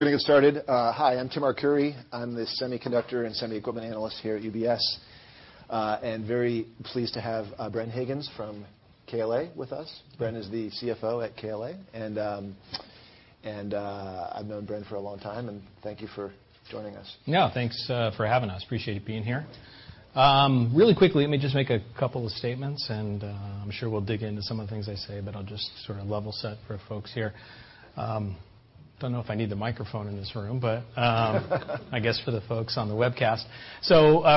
We're going to get started. Hi, I'm Timothy Arcuri. I'm the Semiconductor and Semi Equipment Analyst here at UBS, and very pleased to have Bren Higgins from KLA with us. Bren is the CFO at KLA, and I've known Bren for a long time, and thank you for joining us. Yeah. Thanks for having us. Appreciate being here. Really quickly, let me just make a couple of statements, and I'm sure we'll dig into some of the things I say, but I'll just sort of level set for folks here. Don't know if I need the microphone in this room, but I guess for the folks on the webcast.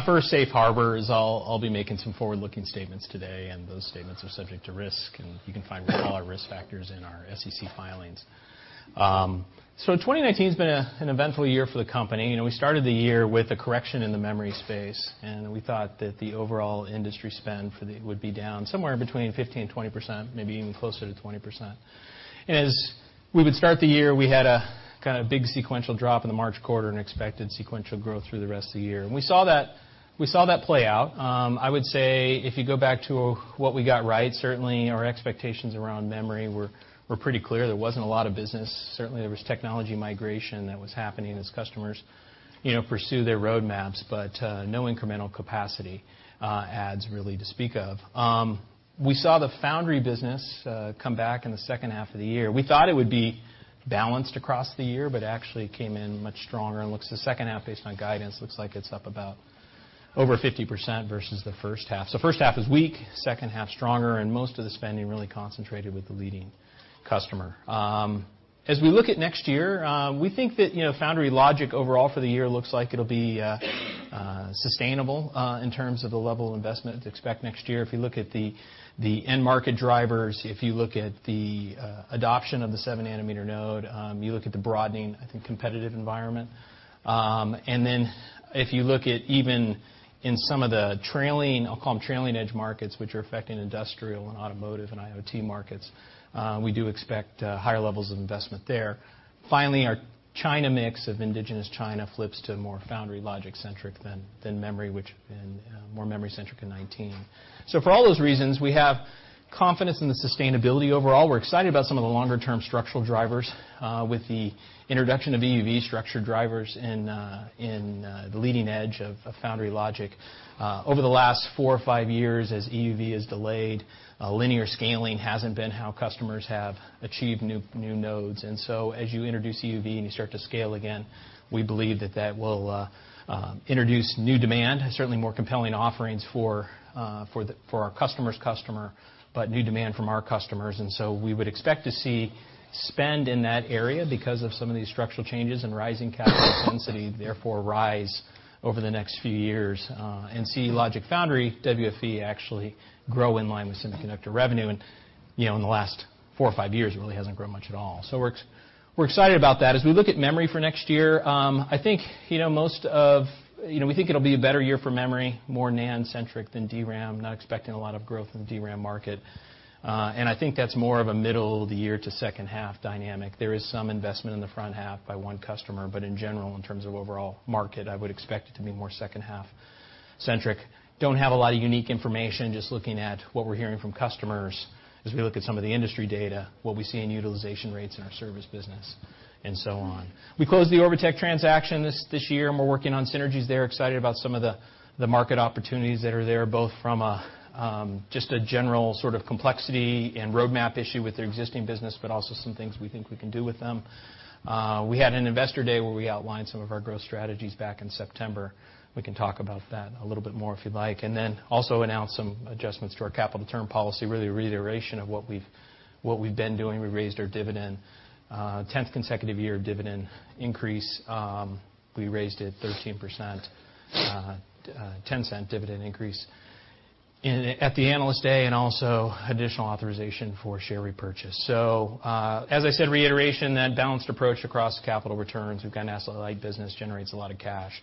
For safe harbors, I'll be making some forward-looking statements today, and those statements are subject to risk, and you can find all our risk factors in our SEC filings. 2019's been an eventful year for the company. We started the year with a correction in the memory space, and we thought that the overall industry spend for the year would be down somewhere between 15% and 20%, maybe even closer to 20%. As we would start the year, we had a kind of big sequential drop in the March quarter and expected sequential growth through the rest of the year, and we saw that play out. I would say, if you go back to what we got right, certainly our expectations around memory were pretty clear. There wasn't a lot of business. Certainly, there was technology migration that was happening as customers pursue their roadmaps, but no incremental capacity adds really to speak of. We saw the foundry business come back in the second half of the year. We thought it would be balanced across the year, but actually came in much stronger, and the second half based on guidance looks like it's up about over 50% versus the first half. First half is weak, second half stronger, and most of the spending really concentrated with the leading customer. As we look at next year, we think that foundry logic overall for the year looks like it'll be sustainable in terms of the level of investment to expect next year. If you look at the end market drivers, if you look at the adoption of the 7-nanometer node, you look at the broadening, I think, competitive environment. If you look at even in some of the trailing, I'll call them trailing edge markets, which are affecting industrial and automotive and IoT markets, we do expect higher levels of investment there. Finally, our China mix of indigenous China flips to more foundry logic centric than memory, which more memory centric in 2019. For all those reasons, we have confidence in the sustainability overall. We're excited about some of the longer-term structural drivers, with the introduction of EUV structured drivers in the leading edge of foundry logic. Over the last four or five years as EUV has delayed, linear scaling hasn't been how customers have achieved new nodes. As you introduce EUV and you start to scale again, we believe that that will introduce new demand, certainly more compelling offerings for our customer's customer, but new demand from our customers. We would expect to see spend in that area because of some of these structural changes and rising capital intensity, therefore, rise over the next few years, and see logic foundry WFE actually grow in line with semiconductor revenue. In the last four or five years, it really hasn't grown much at all. We're excited about that. As we look at memory for next year, we think it'll be a better year for memory, more NAND centric than DRAM, not expecting a lot of growth in the DRAM market. I think that's more of a middle of the year to second half dynamic. There is some investment in the front half by one customer. In general, in terms of overall market, I would expect it to be more second half centric. I don't have a lot of unique information, just looking at what we're hearing from customers as we look at some of the industry data, what we see in utilization rates in our service business, and so on. We closed the Orbotech transaction this year, and we're working on synergies there, excited about some of the market opportunities that are there, both from just a general sort of complexity and roadmap issue with their existing business, but also some things we think we can do with them. We had an investor day where we outlined some of our growth strategies back in September. We can talk about that a little bit more if you'd like, and then also announced some adjustments to our capital return policy, really a reiteration of what we've been doing. We raised our dividend, 10th consecutive year dividend increase. We raised it 13%, $0.10 dividend increase at the Analyst Day, and also additional authorization for share repurchase. As I said, reiteration, that balanced approach across capital returns. We've got an asset-light business. Generates a lot of cash.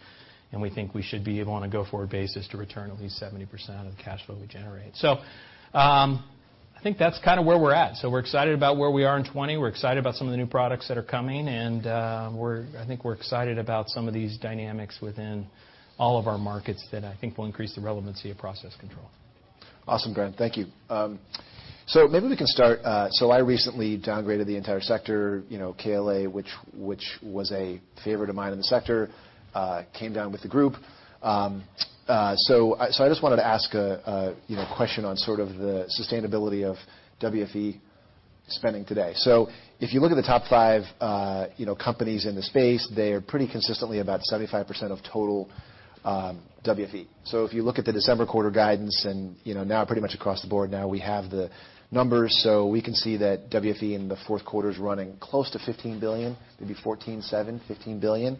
We think we should be able on a go-forward basis to return at least 70% of the cash flow we generate. I think that's kind of where we're at. We're excited about where we are in 2020, we're excited about some of the new products that are coming, and I think we're excited about some of these dynamics within all of our markets that I think will increase the relevancy of process control. Awesome, Bren. Thank you. Maybe we can start, I recently downgraded the entire sector, KLA, which was a favorite of mine in the sector, came down with the group. I just wanted to ask a question on sort of the sustainability of WFE spending today. If you look at the top five companies in the space, they are pretty consistently about 75% of total WFE. If you look at the December quarter guidance, and now pretty much across the board now we have the numbers, we can see that WFE in the fourth quarter is running close to $15 billion, maybe $14.7 billion, $15 billion.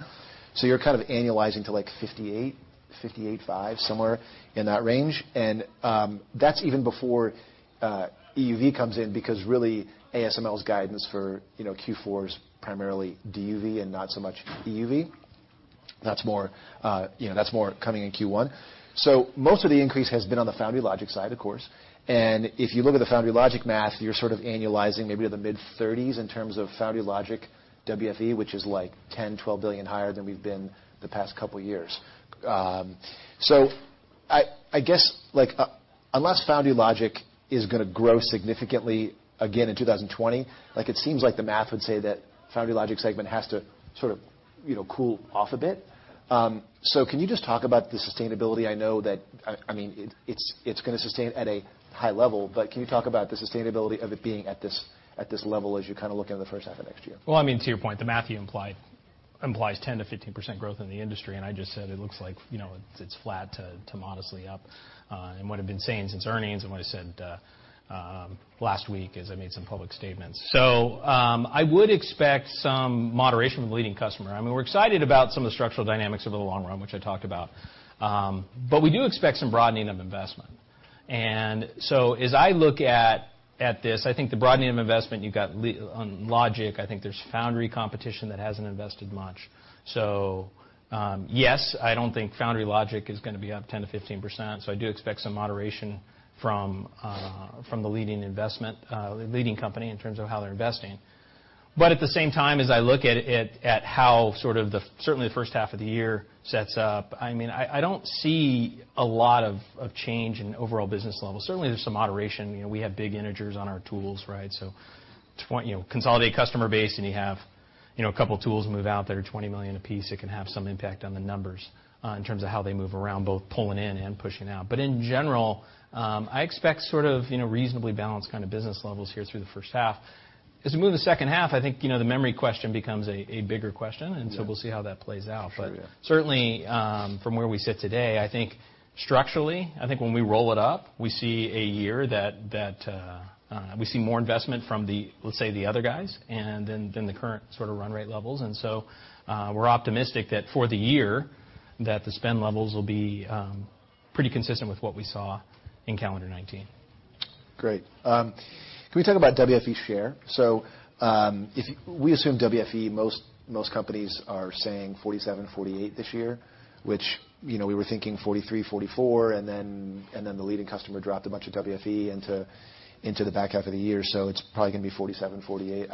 You're kind of annualizing to like $58 billion, $58.5 billion, somewhere in that range, and that's even before EUV comes in, because really ASML's guidance for Q4 is primarily DUV and not so much EUV. That's more coming in Q1. Most of the increase has been on the foundry logic side, of course. If you look at the foundry logic math, you're sort of annualizing maybe to the mid-30s in terms of foundry logic WFE, which is like $10 billion, $12 billion higher than we've been the past couple years. I guess unless foundry logic is going to grow significantly again in 2020, it seems like the math would say that foundry logic segment has to sort of cool off a bit. Can you just talk about the sustainability? I know that it's going to sustain at a high level, but can you talk about the sustainability of it being at this level as you kind of look into the first half of next year? Well, to your point, the math implies 10%-15% growth in the industry. I just said it looks like it's flat to modestly up. What I've been saying since earnings and what I said last week as I made some public statements. I would expect some moderation from the leading customer. We're excited about some of the structural dynamics over the long run, which I talked about. We do expect some broadening of investment. As I look at this, I think the broadening of investment, you've got on logic, I think there's foundry competition that hasn't invested much. Yes, I don't think foundry logic is going to be up 10%-15%. I do expect some moderation from the leading company in terms of how they're investing. At the same time, as I look at how sort of certainly the first half of the year sets up, I don't see a lot of change in overall business levels. Certainly, there's some moderation. We have big integers on our tools, right? To your point, consolidate customer base, and you have a couple of tools move out that are $20 million a piece, it can have some impact on the numbers in terms of how they move around, both pulling in and pushing out. In general, I expect sort of reasonably balanced kind of business levels here through the first half. As we move to the second half, I think, the memory question becomes a bigger question, we'll see how that plays out. Sure, yeah. Certainly, from where we sit today, I think structurally, I think when we roll it up, we see more investment from, let's say, the other guys than the current sort of run rate levels. We're optimistic that for the year, the spend levels will be pretty consistent with what we saw in calendar 2019. Great. Can we talk about WFE share? If we assume WFE, most companies are saying 47, 48 this year, which we were thinking 43, 44, and then the leading customer dropped a bunch of WFE into the back half of the year, so it's probably going to be 47, 48.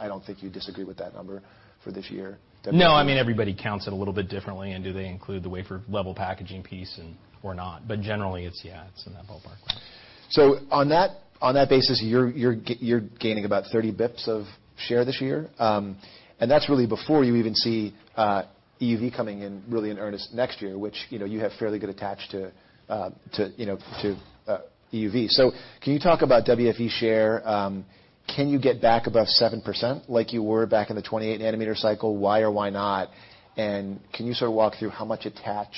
I don't think you disagree with that number for this year, WFE. No, everybody counts it a little bit differently, and do they include the wafer-level packaging piece or not? Generally, it's, yeah, it's in that ballpark. On that basis, you're gaining about 30 basis points of share this year. That's really before you even see EUV coming in really in earnest next year, which you have fairly good attach to EUV. Can you talk about WFE share? Can you get back above 7% like you were back in the 28-nanometer cycle? Why or why not? Can you sort of walk through how much attach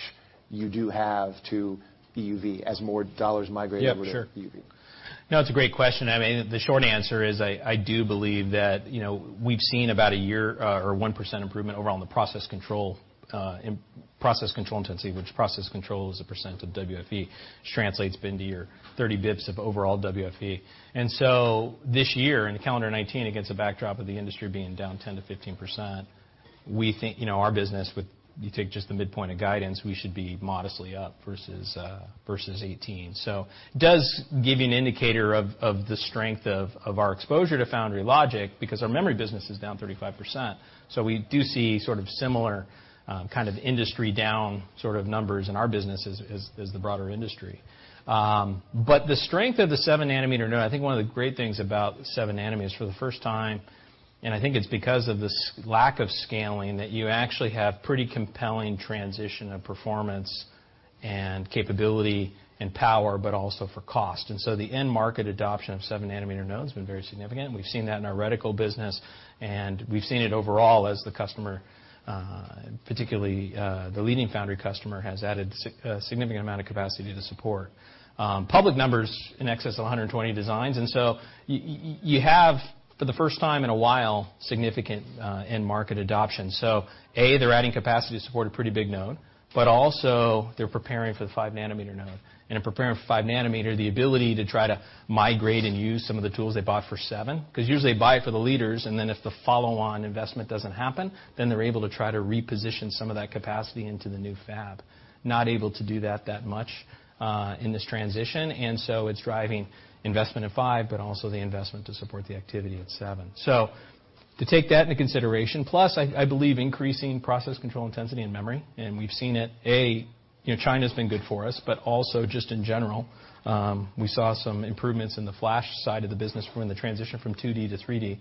you do have to EUV as more $ migrate. Yeah, sure. over to EUV? No, it's a great question. The short answer is I do believe that we've seen about a year or 1% improvement overall in the process control intensity, which process control is a percent of WFE, which translates then to your 30 basis points of overall WFE. This year, in calendar 2019, against the backdrop of the industry being down 10%-15%, our business would, you take just the midpoint of guidance, we should be modestly up versus 2018. Does give you an indicator of the strength of our exposure to foundry logic because our memory business is down 35%. We do see sort of similar kind of industry down sort of numbers in our business as the broader industry. The strength of the 7-nanometer node, I think one of the great things about 7 nanometers, for the first time, and I think it's because of this lack of scaling, that you actually have pretty compelling transition of performance and capability and power, but also for cost. The end market adoption of 7-nanometer node has been very significant. We've seen that in our reticle business, and we've seen it overall as the customer, particularly the leading foundry customer, has added a significant amount of capacity to support. Public numbers in excess of 120 designs, and so you have, for the first time in a while, significant end market adoption. A, they're adding capacity to support a pretty big node, but also they're preparing for the 5-nanometer node. In preparing for 5-nanometer, the ability to try to migrate and use some of the tools they bought for 7-nanometer, because usually they buy it for the leaders, and then if the follow-on investment doesn't happen, then they're able to try to reposition some of that capacity into the new fab. Not able to do that that much in this transition. It's driving investment in 5-nanometer, but also the investment to support the activity at 7-nanometer. To take that into consideration, plus, I believe, increasing process control intensity in memory. We've seen it, A, China's been good for us, but also just in general, we saw some improvements in the flash side of the business from the transition from 2D to 3D.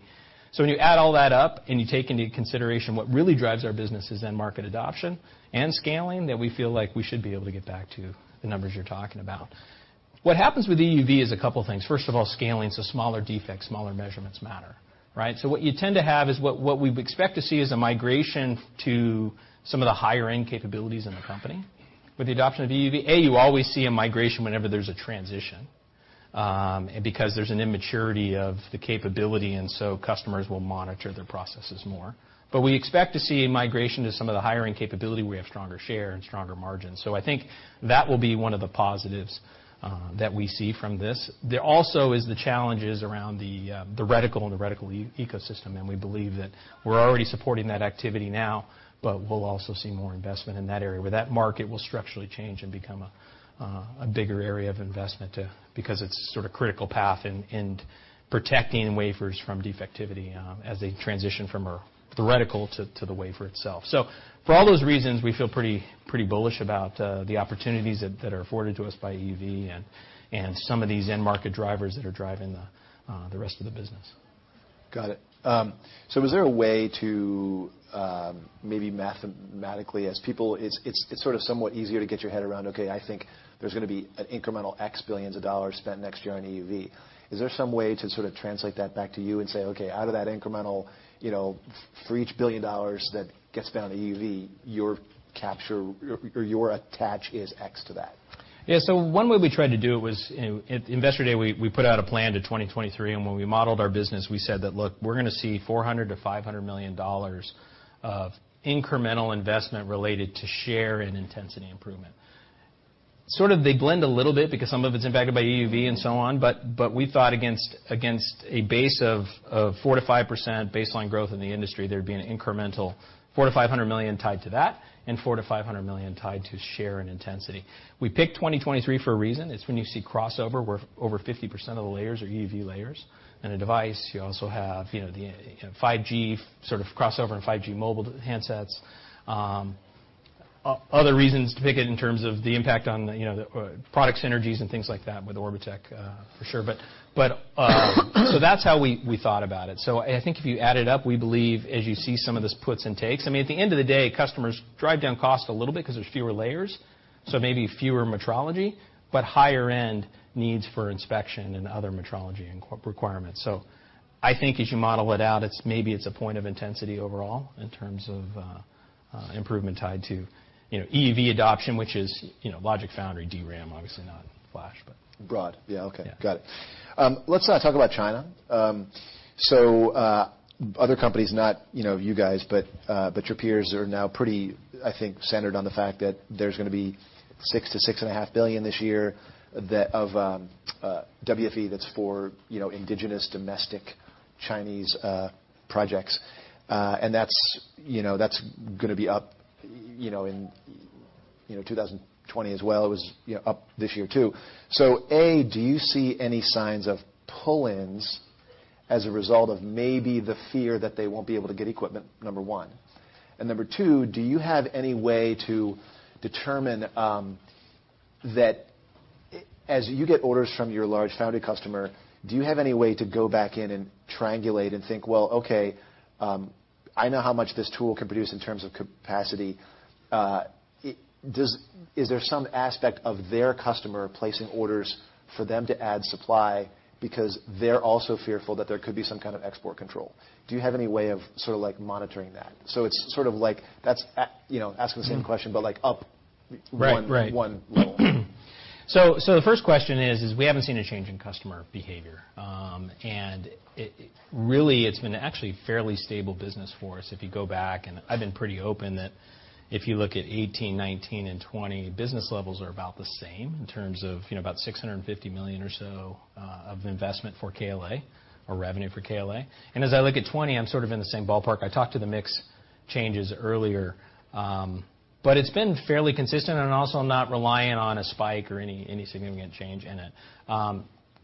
When you add all that up and you take into consideration what really drives our business is end market adoption and scaling, we feel like we should be able to get back to the numbers you're talking about. What happens with EUV is a couple of things. First of all, scaling, smaller defects, smaller measurements matter. Right? What you tend to have is what we expect to see is a migration to some of the higher-end capabilities in the company. With the adoption of EUV, A, you always see a migration whenever there's a transition, because there's an immaturity of the capability, customers will monitor their processes more. We expect to see a migration to some of the higher-end capability where we have stronger share and stronger margins. I think that will be one of the positives that we see from this. There also is the challenges around the reticle and the reticle ecosystem. We believe that we're already supporting that activity now, but we'll also see more investment in that area, where that market will structurally change and become a bigger area of investment, because it's sort of critical path in protecting wafers from defectivity as they transition from the reticle to the wafer itself. For all those reasons, we feel pretty bullish about the opportunities that are afforded to us by EUV and some of these end market drivers that are driving the rest of the business. Got it. Was there a way to maybe mathematically as people, it's sort of somewhat easier to get your head around, okay, I think there's going to be an incremental X billions of dollars spent next year on EUV. Is there some way to sort of translate that back to you and say, okay, out of that incremental, for each $1 billion that gets spent on EUV, your capture or your attach is X to that? One way we tried to do it was, at Investor Day, we put out a plan to 2023. When we modeled our business, we said that, look, we're going to see $400 million-$500 million of incremental investment related to share and intensity improvement. They blend a little bit because some of it's impacted by EUV and so on. We thought against a base of 4%-5% baseline growth in the industry, there'd be an incremental $400 million-$500 million tied to that and $400 million-$500 million tied to share and intensity. We picked 2023 for a reason. It's when you see crossover where over 50% of the layers are EUV layers. In a device, you also have the 5G crossover in 5G mobile handsets. Other reasons to pick it in terms of the impact on the product synergies and things like that with Orbotech, for sure. That's how we thought about it. I think if you add it up, we believe as you see some of this puts and takes, I mean, at the end of the day, customers drive down cost a little bit because there's fewer layers, so maybe fewer metrology, but higher-end needs for inspection and other metrology requirements. I think as you model it out, maybe it's a point of intensity overall in terms of improvement tied to EUV adoption, which is logic foundry, DRAM, obviously not flash. Broad. Yeah, okay. Yeah. Got it. Let's now talk about China. Other companies, not you guys, but your peers are now pretty, I think, centered on the fact that there's going to be $6 billion-$6.5 billion this year that of WFE that's for indigenous domestic Chinese projects. That's going to be up in 2020 as well. It was up this year, too. A, do you see any signs of pull-ins as a result of maybe the fear that they won't be able to get equipment, number one? Number two, do you have any way to determine that as you get orders from your large foundry customer, do you have any way to go back in and triangulate and think, well, okay, I know how much this tool can produce in terms of capacity. Is there some aspect of their customer placing orders for them to add supply because they're also fearful that there could be some kind of export control? Do you have any way of sort of like monitoring that? It's sort of like, that's asking the same question. Right 1 level. The first question is, we haven't seen a change in customer behavior. Really, it's been actually fairly stable business for us. If you go back, I've been pretty open that if you look at 2018, 2019, and 2020, business levels are about the same in terms of about $650 million or so of investment for KLA or revenue for KLA. As I look at 2020, I'm sort of in the same ballpark. I talked to the mix changes earlier. It's been fairly consistent and also not reliant on a spike or any significant change in it.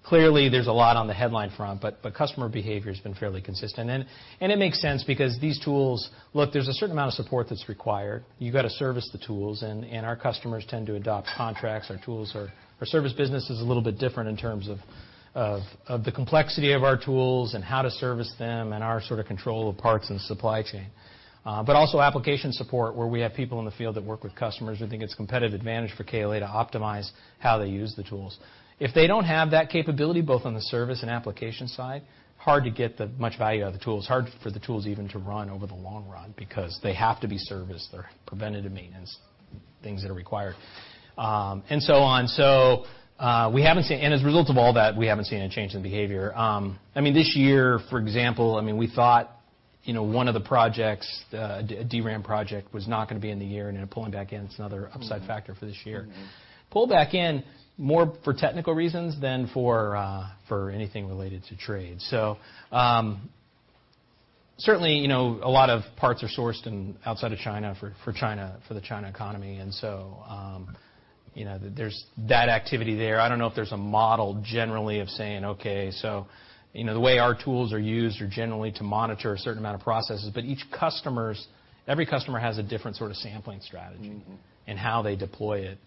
Clearly, there's a lot on the headline front, but customer behavior's been fairly consistent. It makes sense because these tools, look, there's a certain amount of support that's required. You've got to service the tools, and our customers tend to adopt contracts. Our service business is a little bit different in terms of the complexity of our tools and how to service them and our sort of control of parts and supply chain. Also application support, where we have people in the field that work with customers. We think it's competitive advantage for KLA to optimize how they use the tools. If they don't have that capability, both on the service and application side, hard to get that much value out of the tools. Hard for the tools even to run over the long run because they have to be serviced, their preventative maintenance, things that are required, and so on. As a result of all that, we haven't seen any change in behavior. This year, for example, we thought one of the projects, a DRAM project, was not going to be in the year, and they're pulling back in. It's another upside factor for this year. Pulled back in more for technical reasons than for anything related to trade. Certainly, a lot of parts are sourced outside of China for the China economy, there's that activity there. I don't know if there's a model generally of saying, okay, the way our tools are used are generally to monitor a certain amount of processes, but every customer has a different sort of sampling strategy. and how they deploy it.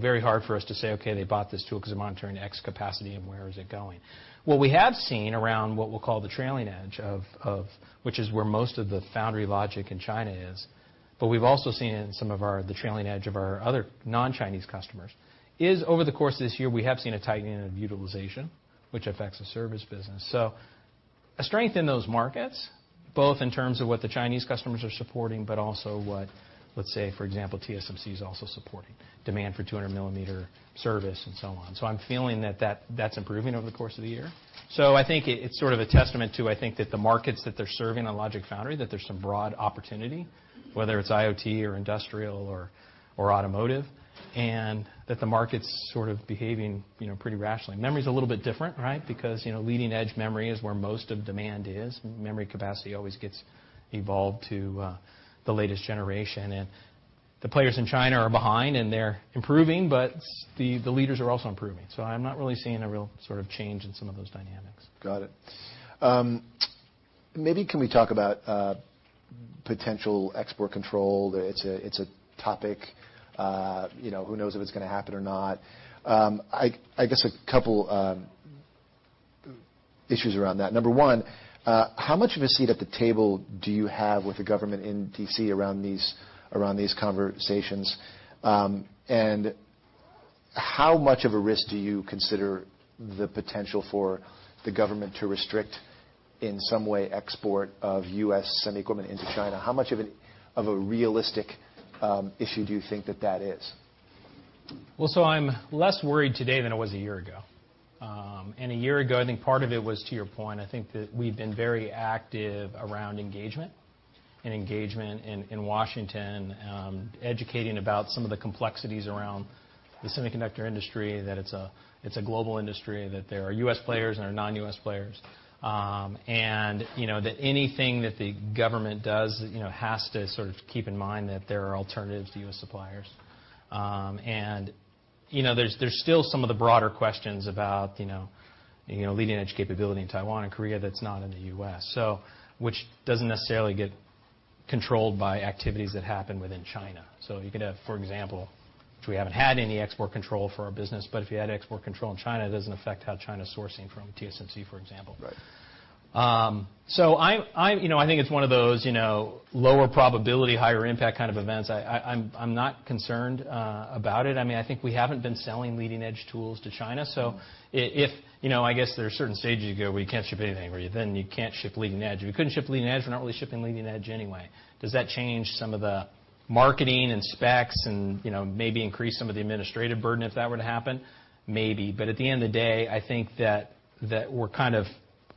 Very hard for us to say, okay, they bought this tool because they're monitoring X capacity, and where is it going? What we have seen around what we'll call the trailing edge of, which is where most of the foundry logic in China is, but we've also seen it in some of the trailing edge of our other non-Chinese customers, is over the course of this year, we have seen a tightening of utilization, which affects the service business. A strength in those markets, both in terms of what the Chinese customers are supporting, but also what, let's say, for example, TSMC is also supporting, demand for 200-millimeter service and so on. I'm feeling that that's improving over the course of the year. I think it's sort of a testament to, I think that the markets that they're serving on logic foundry, that there's some broad opportunity, whether it's IoT or industrial or automotive, and that the market's sort of behaving pretty rationally. Memory's a little bit different, right? Because leading-edge memory is where most of demand is, and memory capacity always gets evolved to the latest generation. The players in China are behind, and they're improving, but the leaders are also improving. I'm not really seeing a real sort of change in some of those dynamics. Got it. Maybe can we talk about potential export control? It's a topic, who knows if it's going to happen or not. I guess a couple issues around that. Number one, how much of a seat at the table do you have with the government in D.C. around these conversations? How much of a risk do you consider the potential for the government to restrict, in some way, export of U.S. semi equipment into China? How much of a realistic issue do you think that that is? Well, I'm less worried today than I was a year ago. A year ago, I think part of it was, to your point, I think that we've been very active around engagement, and engagement in Washington, educating about some of the complexities around the semiconductor industry, that it's a global industry, that there are U.S. players and there are non-U.S. players. That anything that the government does has to sort of keep in mind that there are alternatives to U.S. suppliers. There's still some of the broader questions about leading-edge capability in Taiwan and Korea that's not in the U.S., which doesn't necessarily get controlled by activities that happen within China. You could have, for example, which we haven't had any export control for our business, but if you had export control in China, it doesn't affect how China's sourcing from TSMC, for example. Right. I think it's one of those lower probability, higher impact kind of events. I'm not concerned about it. I think we haven't been selling leading edge tools to China. If, I guess there are certain stages where you can't ship anything, where you then you can't ship leading edge. If we couldn't ship leading edge, we're not really shipping leading edge anyway. Does that change some of the marketing and specs and maybe increase some of the administrative burden if that were to happen? Maybe. At the end of the day, I think that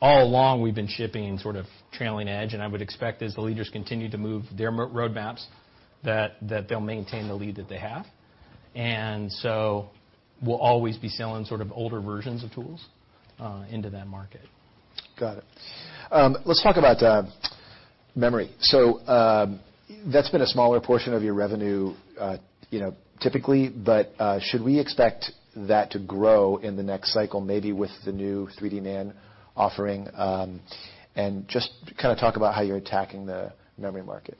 all along we've been shipping sort of trailing edge, and I would expect as the leaders continue to move their roadmaps, that they'll maintain the lead that they have. We'll always be selling sort of older versions of tools into that market. Got it. Let's talk about memory. That's been a smaller portion of your revenue typically, but should we expect that to grow in the next cycle, maybe with the new 3D NAND offering? Just kind of talk about how you're attacking the memory market?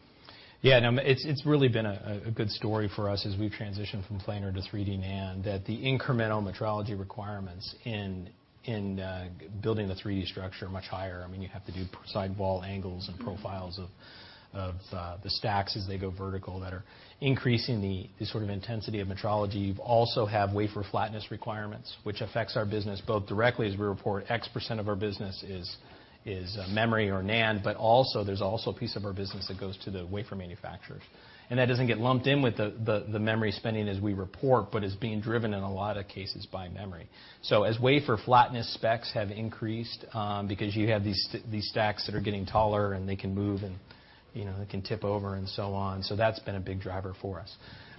Yeah, no, it's really been a good story for us as we've transitioned from planar to 3D NAND, that the incremental metrology requirements in building the 3D structure are much higher. You have to do side wall angles and profiles of the stacks as they go vertical that are increasing the sort of intensity of metrology. You also have wafer flatness requirements, which affects our business both directly as we report X% of our business is memory or NAND, but also there's also a piece of our business that goes to the wafer manufacturers. That doesn't get lumped in with the memory spending as we report, but is being driven in a lot of cases by memory. As wafer flatness specs have increased, because you have these stacks that are getting taller and they can move and they can tip over and so on. That's been a big driver for us.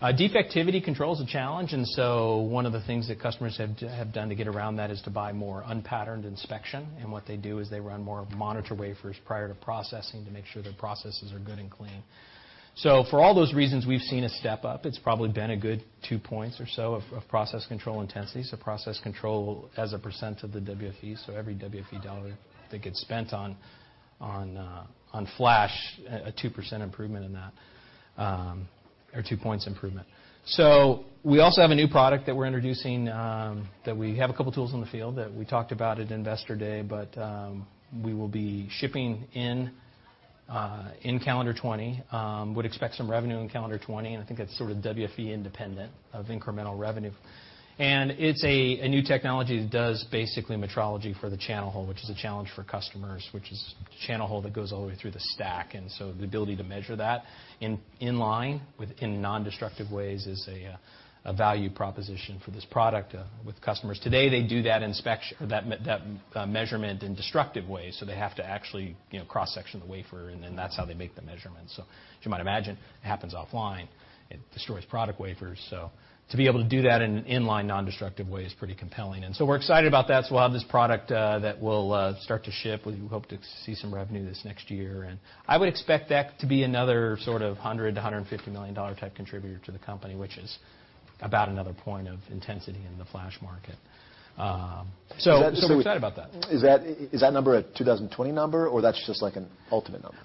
Defectivity control is a challenge, one of the things that customers have done to get around that is to buy more unpatterned inspection. What they do is they run more monitor wafers prior to processing to make sure their processes are good and clean. For all those reasons, we've seen a step-up. It's probably been a good two points or so of process control intensity. Process control as a % of the WFE, so every WFE dollar that gets spent on flash, a 2% improvement in that, or two points improvement. We also have a new product that we're introducing, that we have a couple tools in the field that we talked about at Investor Day, but we will be shipping in calendar 2020. Would expect some revenue in calendar 2020, I think that's sort of WFE independent of incremental revenue. It's a new technology that does basically metrology for the channel hole, which is a challenge for customers, which is channel hole that goes all the way through the stack, the ability to measure that in line in non-destructive ways is a value proposition for this product with customers. Today, they do that measurement in destructive ways, so they have to actually cross-section the wafer, and then that's how they make the measurements. As you might imagine, it happens offline. It destroys product wafers. To be able to do that in an in-line non-destructive way is pretty compelling. We're excited about that. We'll have this product that will start to ship. We hope to see some revenue this next year. I would expect that to be another sort of $100 million-$150 million type contributor to the company, which is about another point of intensity in the flash market. We're excited about that. Is that number a 2020 number or that's just like an ultimate number?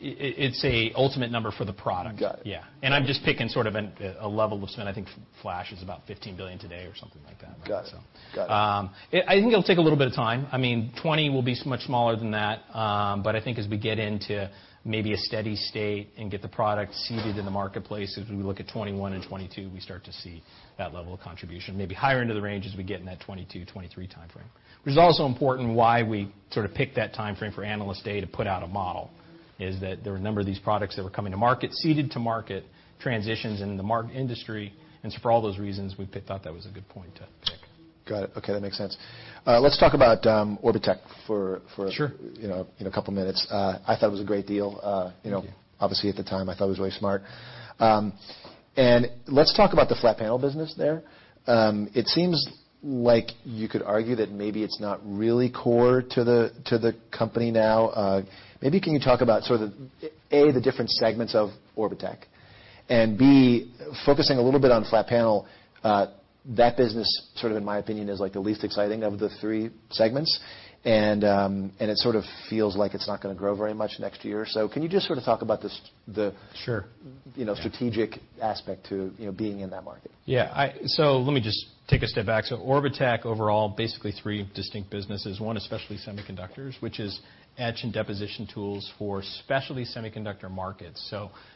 It's a ultimate number for the product. Got it. Yeah. I'm just picking sort of a level of spend. I think flash is about $15 billion today or something like that. Got it. I think it'll take a little bit of time. 2020 will be much smaller than that, I think as we get into maybe a steady state and get the product seeded in the marketplace, as we look at 2021 and 2022, we start to see that level of contribution, maybe higher into the range as we get in that 2022, 2023 timeframe. Which is also important why we sort of picked that timeframe for Analyst Day to put out a model, is that there were a number of these products that were coming to market, seeded to market, transitions in the industry, for all those reasons, we thought that was a good point to pick. Got it. Okay, that makes sense. Let's talk about Orbotech. Sure A couple of minutes. I thought it was a great deal. Thank you. Obviously at the time, I thought it was really smart. Let's talk about the flat panel business there. It seems like you could argue that maybe it's not really core to the company now. Maybe can you talk about sort of, A, the different segments of Orbotech, and B, focusing a little bit on flat panel. That business, sort of in my opinion, is the least exciting of the three segments, and it sort of feels like it's not going to grow very much next year or so. Can you just sort of talk about the. Sure strategic aspect to being in that market? Yeah. Let me just take a step back. Orbotech, overall, basically three distinct businesses. One is specialty semiconductors, which is etch and deposition tools for specialty semiconductor markets.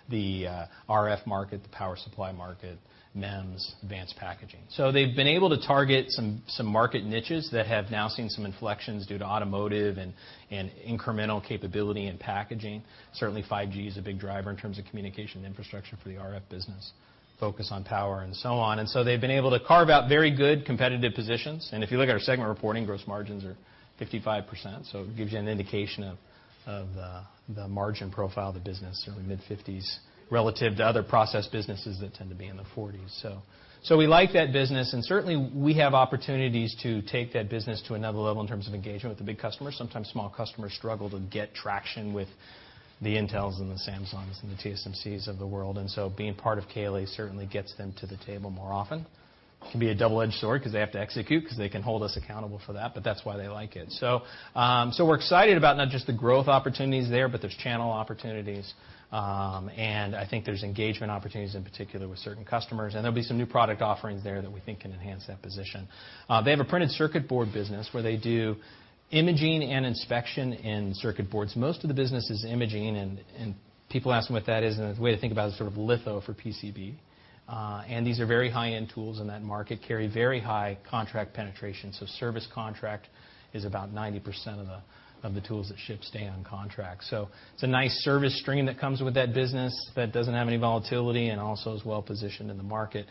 The RF market, the power supply market, MEMS, advanced packaging. They've been able to target some market niches that have now seen some inflections due to automotive and incremental capability and packaging. Certainly, 5G is a big driver in terms of communication infrastructure for the RF business, focus on power and so on. They've been able to carve out very good competitive positions, and if you look at our segment reporting, gross margins are 55%, so it gives you an indication of the margin profile of the business, certainly mid-50s relative to other process businesses that tend to be in the 40s. We like that business, and certainly, we have opportunities to take that business to another level in terms of engagement with the big customers. Sometimes small customers struggle to get traction with the Intel and the Samsung and the TSMC of the world, being part of KLA certainly gets them to the table more often. It can be a double-edged sword because they have to execute, because they can hold us accountable for that, but that's why they like it. We're excited about not just the growth opportunities there, but there's channel opportunities, and I think there's engagement opportunities in particular with certain customers, and there'll be some new product offerings there that we think can enhance that position. They have a printed circuit board business where they do imaging and inspection in circuit boards. Most of the business is imaging, people ask me what that is, the way to think about it is sort of litho for PCB. These are very high-end tools in that market, carry very high contract penetration. Service contract is about 90% of the tools that ship stay on contract. It's a nice service stream that comes with that business that doesn't have any volatility and also is well-positioned in the market.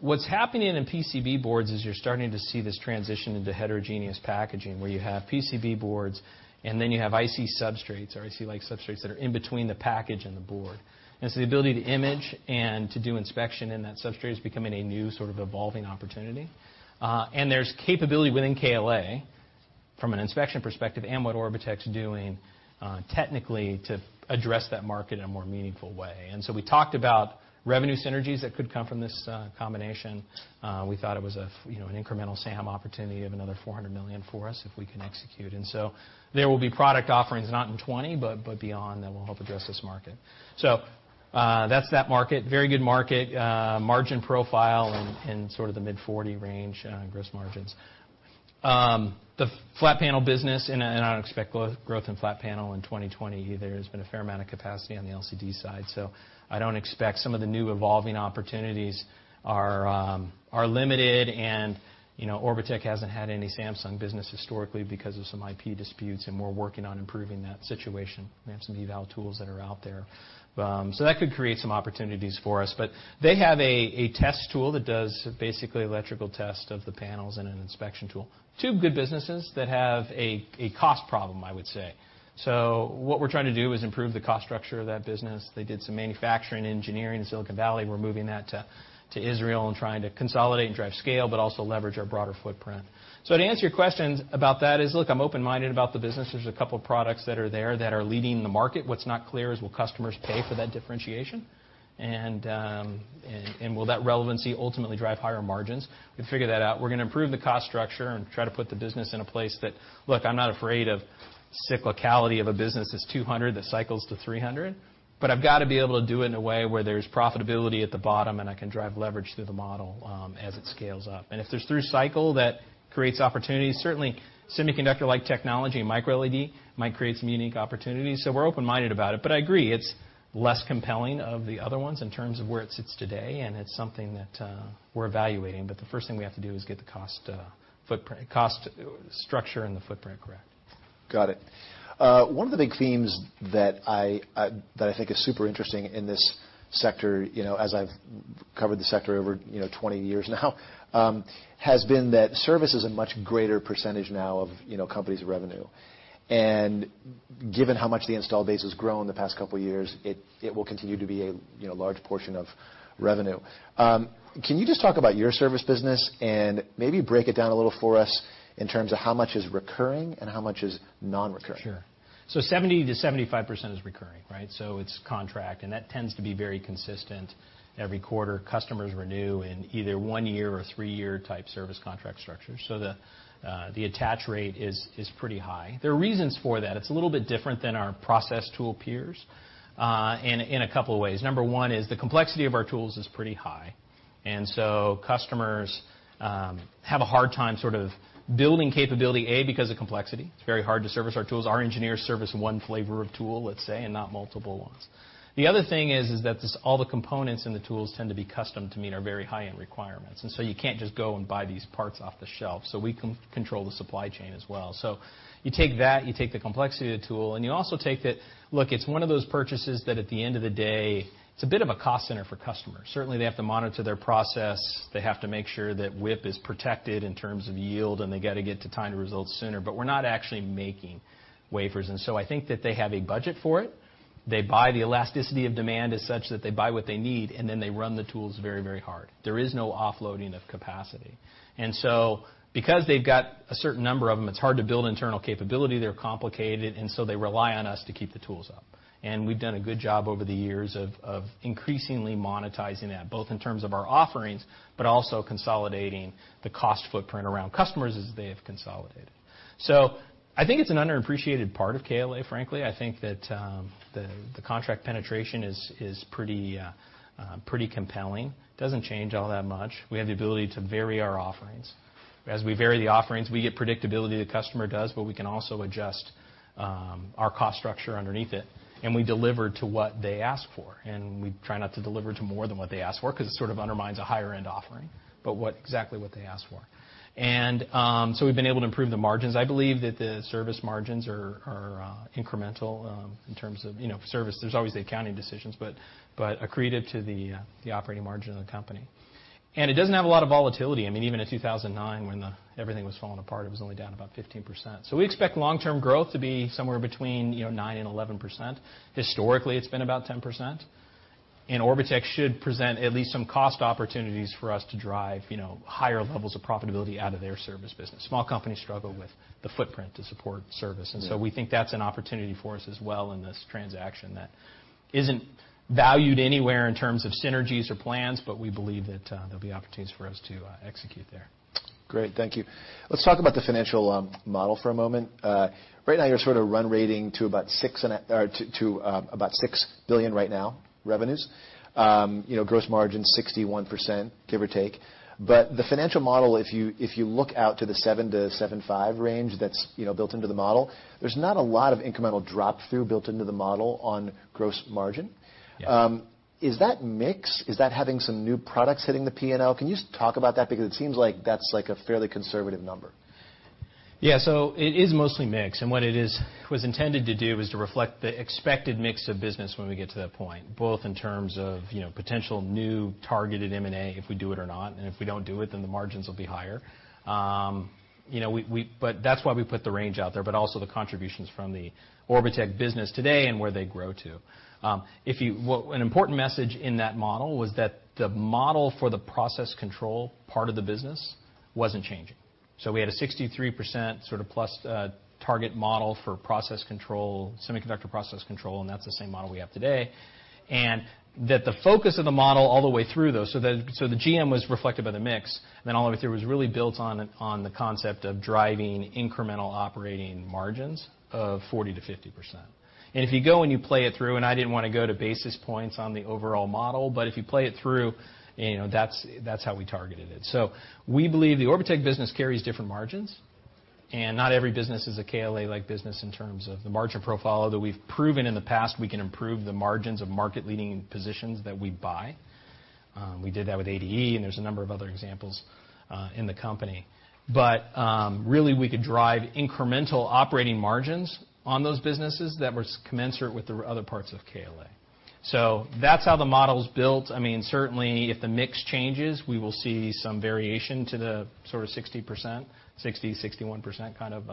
What's happening in PCB boards is you're starting to see this transition into heterogeneous packaging, where you have PCB boards you have IC substrates or IC-like substrates that are in between the package and the board. The ability to image and to do inspection in that substrate is becoming a new sort of evolving opportunity. There's capability within KLA from an inspection perspective and what Orbotech's doing technically to address that market in a more meaningful way. We talked about revenue synergies that could come from this combination. We thought it was an incremental SAM opportunity of another $400 million for us if we can execute. There will be product offerings, not in 2020, but beyond, that will help address this market. That's that market. Very good market. Margin profile in sort of the mid-40 range on gross margins. The flat panel business, and I don't expect growth in flat panel in 2020 either, has been a fair amount of capacity on the LCD side, so I don't expect some of the new evolving opportunities are limited. Orbotech hasn't had any Samsung business historically because of some IP disputes, and we're working on improving that situation. We have some eval tools that are out there. That could create some opportunities for us. They have a test tool that does basically electrical test of the panels and an inspection tool. Two good businesses that have a cost problem, I would say. What we're trying to do is improve the cost structure of that business. They did some manufacturing engineering in Silicon Valley. We're moving that to Israel and trying to consolidate and drive scale, but also leverage our broader footprint. To answer your questions about that is, look, I'm open-minded about the business. There's a couple products that are there that are leading the market. What's not clear is will customers pay for that differentiation, and will that relevancy ultimately drive higher margins? We figure that out. We're going to improve the cost structure and try to put the business in a place that, look, I'm not afraid of cyclicality of a business that's 200 that cycles to 300, but I've got to be able to do it in a way where there's profitability at the bottom, and I can drive leverage through the model as it scales up. If there's through cycle that creates opportunities, certainly semiconductor-like technology, MicroLED might create some unique opportunities. We're open-minded about it, but I agree, it's less compelling of the other ones in terms of where it sits today, and it's something that we're evaluating. The first thing we have to do is get the cost structure and the footprint correct. Got it. One of the big themes that I think is super interesting in this sector, as I've covered the sector over 20 years now, has been that service is a much greater percentage now of company's revenue. Given how much the install base has grown the past couple of years, it will continue to be a large portion of revenue. Can you just talk about your service business and maybe break it down a little for us in terms of how much is recurring and how much is non-recurring? Sure. 70% to 75% is recurring, right? It's contract, and that tends to be very consistent every quarter. Customers renew in either one-year or three-year type service contract structures. The attach rate is pretty high. There are reasons for that. It's a little bit different than our process tool peers, in a couple of ways. Number one is the complexity of our tools is pretty high. Customers have a hard time sort of building capability, A, because of complexity. It's very hard to service our tools. Our engineers service one flavor of tool, let's say, and not multiple ones. The other thing is that all the components in the tools tend to be custom to meet our very high-end requirements. You can't just go and buy these parts off the shelf. We control the supply chain as well. You take that, you take the complexity of the tool, and you also take the, look, it's one of those purchases that at the end of the day, it's a bit of a cost center for customers. Certainly, they have to monitor their process. They have to make sure that WIP is protected in terms of yield, and they got to get to time to results sooner. We're not actually making wafers, and so I think that they have a budget for it. They buy the elasticity of demand as such that they buy what they need, and then they run the tools very, very hard. There is no offloading of capacity. Because they've got a certain number of them, it's hard to build internal capability. They're complicated, and so they rely on us to keep the tools up. We've done a good job over the years of increasingly monetizing that, both in terms of our offerings, but also consolidating the cost footprint around customers as they have consolidated. I think it's an underappreciated part of KLA, frankly. I think that the contract penetration is pretty compelling. Doesn't change all that much. We have the ability to vary our offerings. As we vary the offerings, we get predictability, the customer does, but we can also adjust our cost structure underneath it, and we deliver to what they ask for, and we try not to deliver to more than what they ask for because it sort of undermines a higher-end offering, but what exactly what they ask for. We've been able to improve the margins. I believe that the service margins are incremental, in terms of service. There's always the accounting decisions, but accretive to the operating margin of the company. It doesn't have a lot of volatility. Even in 2009 when everything was falling apart, it was only down about 15%. We expect long-term growth to be somewhere between 9% and 11%. Historically, it's been about 10%. Orbotech should present at least some cost opportunities for us to drive higher levels of profitability out of their service business. Small companies struggle with the footprint to support service. Yeah. We think that's an opportunity for us as well in this transaction that isn't valued anywhere in terms of synergies or plans, but we believe that there'll be opportunities for us to execute there. Great. Thank you. Let's talk about the financial model for a moment. Right now you're sort of run rating to about $6 billion right now, revenues. Gross margin 61%, give or take. The financial model, if you look out to the $7 billion-$7.5 billion range that's built into the model, there's not a lot of incremental drop-through built into the model on gross margin. Yeah. Is that mix? Is that having some new products hitting the P&L? Can you just talk about that? Because it seems like that's a fairly conservative number. Yeah. It is mostly mix, and what it was intended to do was to reflect the expected mix of business when we get to that point, both in terms of potential new targeted M&A, if we do it or not. If we don't do it, then the margins will be higher. That's why we put the range out there, but also the contributions from the Orbotech business today and where they grow to. An important message in that model was that the model for the process control part of the business wasn't changing. We had a 63% sort of plus target model for process control, semiconductor process control, and that's the same model we have today. That the focus of the model all the way through, though, so the GM was reflected by the mix, then all the way through was really built on the concept of driving incremental operating margins of 40% to 50%. If you go and you play it through, and I didn't want to go to basis points on the overall model, but if you play it through, that's how we targeted it. We believe the Orbotech business carries different margins. Not every business is a KLA-like business in terms of the margin profile, although we've proven in the past we can improve the margins of market-leading positions that we buy. We did that with ADE, and there's a number of other examples in the company. Really we could drive incremental operating margins on those businesses that were commensurate with the other parts of KLA. That's how the model's built. Certainly, if the mix changes, we will see some variation to the sort of 60%, 60, 61% kind of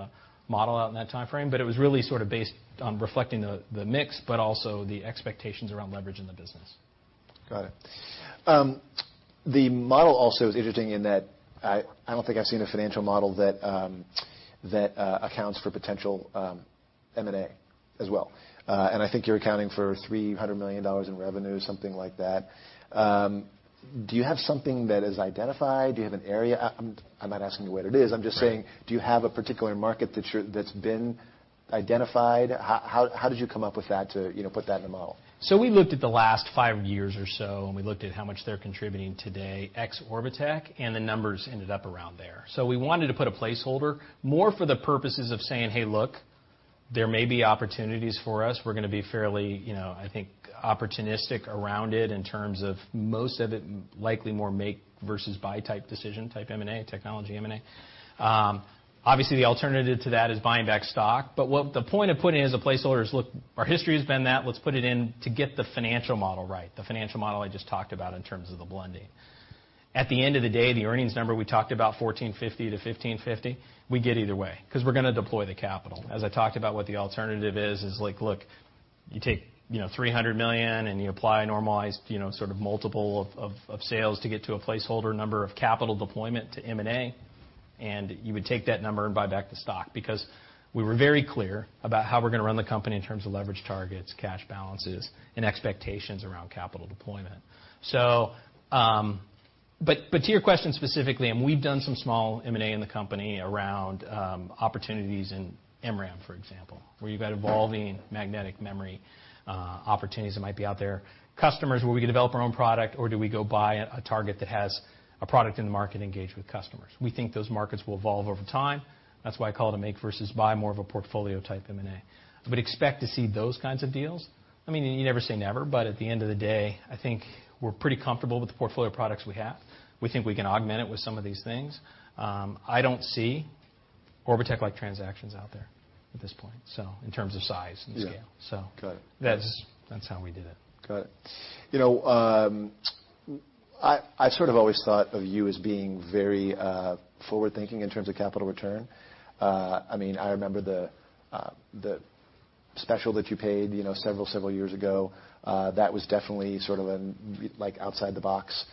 model out in that time frame. It was really sort of based on reflecting the mix, but also the expectations around leverage in the business. Got it. The model also is interesting in that I don't think I've seen a financial model that accounts for potential M&A as well. I think you're accounting for $300 million in revenue, something like that. Do you have something that is identified? Do you have an area I'm not asking you what it is. I'm just saying, do you have a particular market that's been identified? How did you come up with that to put that in the model? We looked at the last five years or so, and we looked at how much they're contributing today, ex Orbotech, and the numbers ended up around there. We wanted to put a placeholder more for the purposes of saying, "Hey, look, there may be opportunities for us." We're going to be fairly, I think, opportunistic around it in terms of most of it likely more make versus buy type decision type M&A, technology M&A. Obviously, the alternative to that is buying back stock. The point of putting it as a placeholder is, look, our history has been that. Let's put it in to get the financial model right, the financial model I just talked about in terms of the blending. At the end of the day, the earnings number we talked about, $1,450-$1,550, we get either way because we're going to deploy the capital. As I talked about what the alternative is, like, look, you take $300 million, and you apply a normalized sort of multiple of sales to get to a placeholder number of capital deployment to M&A, and you would take that number and buy back the stock because we were very clear about how we're going to run the company in terms of leverage targets, cash balances, and expectations around capital deployment. To your question specifically, we've done some small M&A in the company around opportunities in MRAM, for example, where you've got evolving magnetic memory opportunities that might be out there. Customers, will we develop our own product, or do we go buy a target that has a product in the market, engage with customers? We think those markets will evolve over time. That's why I call it a make versus buy, more of a portfolio type M&A. Expect to see those kinds of deals. You never say never, but at the end of the day, I think we're pretty comfortable with the portfolio of products we have. We think we can augment it with some of these things. I don't see Orbotech-like transactions out there at this point, so in terms of size and scale. Yeah. Got it. That's how we did it. Got it. I sort of always thought of you as being very forward-thinking in terms of capital return. I remember the special that you paid several years ago. That was definitely sort of an outside-the-box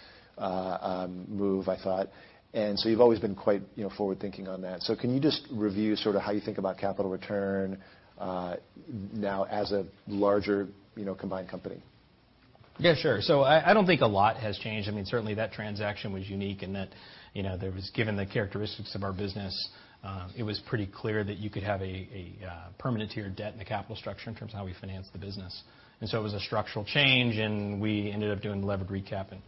move, I thought. You've always been quite forward-thinking on that. Can you just review how you think about capital return now as a larger, combined company? Yeah, sure. I don't think a lot has changed. Certainly that transaction was unique in that, given the characteristics of our business, it was pretty clear that you could have a permanent tier of debt in the capital structure in terms of how we finance the business. It was a structural change, and we ended up doing levered recap and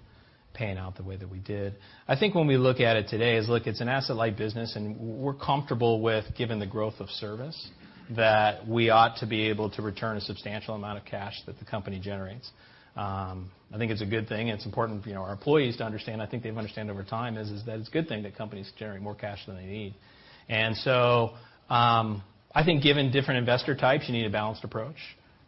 paying out the way that we did. I think when we look at it today is, look, it's an asset-light business, and we're comfortable with, given the growth of service, that we ought to be able to return a substantial amount of cash that the company generates. I think it's a good thing, and it's important for our employees to understand, I think they've understood over time, is that it's a good thing that companies generate more cash than they need. I think given different investor types, you need a balanced approach,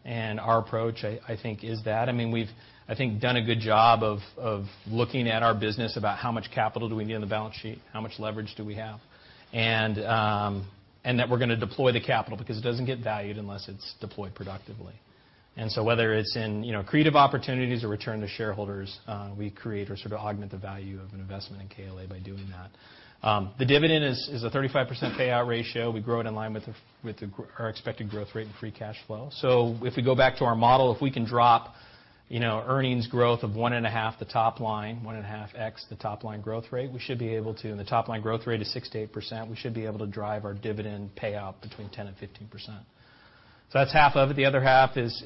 and our approach, I think, is that. We've, I think, done a good job of looking at our business, about how much capital do we need on the balance sheet, how much leverage do we have, and that we're going to deploy the capital, because it doesn't get valued unless it's deployed productively. Whether it's in creative opportunities or return to shareholders, we create or sort of augment the value of an investment in KLA by doing that. The dividend is a 35% payout ratio. We grow it in line with our expected growth rate and free cash flow. If we go back to our model, if we can drop earnings growth of one and a half the top line, 1.5x the top-line growth rate, and the top-line growth rate is 6%-8%, we should be able to drive our dividend payout between 10% and 15%. That's half of it. The other half is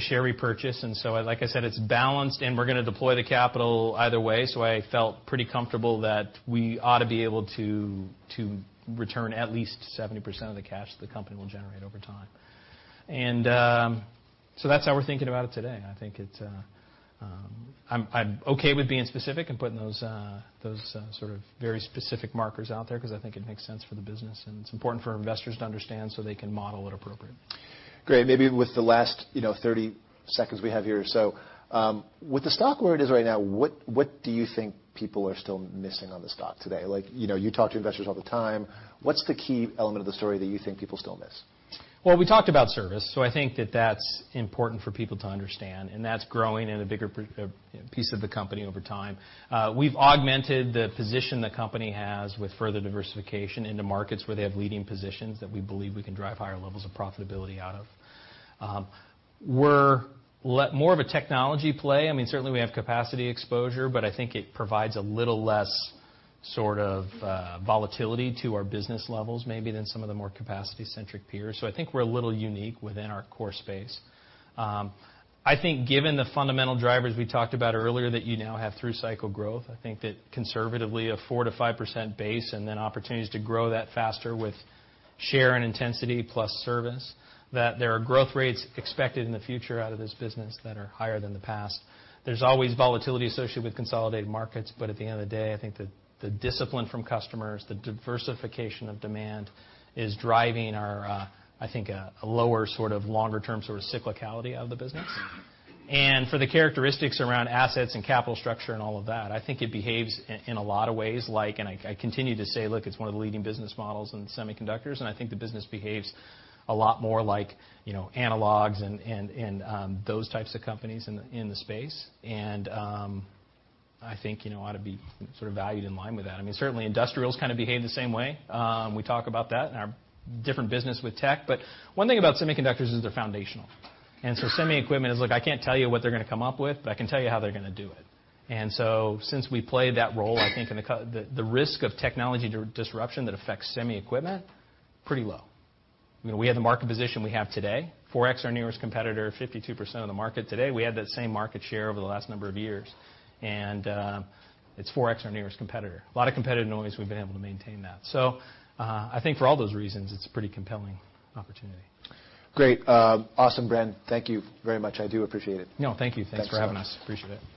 share repurchase. Like I said, it's balanced, and we're going to deploy the capital either way. I felt pretty comfortable that we ought to be able to return at least 70% of the cash the company will generate over time. That's how we're thinking about it today. I'm okay with being specific and putting those sort of very specific markers out there, because I think it makes sense for the business, and it's important for investors to understand so they can model it appropriately. Great. Maybe with the last 30 seconds we have here. With the stock where it is right now, what do you think people are still missing on the stock today? You talk to investors all the time. What's the key element of the story that you think people still miss? Well, we talked about service, so I think that that's important for people to understand, and that's growing in a bigger piece of the company over time. We've augmented the position the company has with further diversification into markets where they have leading positions that we believe we can drive higher levels of profitability out of. We're more of a technology play. Certainly we have capacity exposure, but I think it provides a little less sort of volatility to our business levels maybe than some of the more capacity-centric peers. I think we're a little unique within our core space. I think given the fundamental drivers we talked about earlier, that you now have through-cycle growth, I think that conservatively a 4%-5% base and then opportunities to grow that faster with share and intensity plus service, that there are growth rates expected in the future out of this business that are higher than the past. There's always volatility associated with consolidated markets. At the end of the day, I think the discipline from customers, the diversification of demand, is driving our, I think, a lower sort of longer-term sort of cyclicality of the business. For the characteristics around assets and capital structure and all of that, I think it behaves in a lot of ways like, and I continue to say, look, it's one of the leading business models in semiconductors, and I think the business behaves a lot more like analogs and those types of companies in the space, and I think ought to be sort of valued in line with that. Certainly industrials kind of behave the same way. We talk about that in our different business with tech. One thing about semiconductors is they're foundational. Semi equipment is, look, I can't tell you what they're going to come up with, but I can tell you how they're going to do it. Since we play that role, I think the risk of technology disruption that affects semi equipment, pretty low. We have the market position we have today, 4x our nearest competitor, 52% of the market today. We had that same market share over the last number of years, and it's 4x our nearest competitor. A lot of competitive noise, we've been able to maintain that. I think for all those reasons, it's a pretty compelling opportunity. Great. Awesome, Bren. Thank you very much. I do appreciate it. No, thank you. Thanks for having us. Appreciate it.